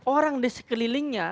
orang di sekelilingnya